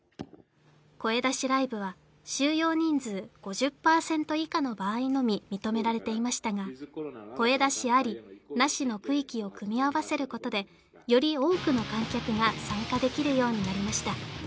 声出しライブは収容人数５０％以下の場合のみ認められていましたが声出しありなしの区域を組み合わせることでより多くの観客が参加できるようになりました